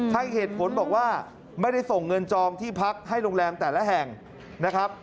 ให้เหตุผลบอกว่าไม่ได้ส่งเงินจองที่พักให้โรงแรมแต่ละแห่งนะครับ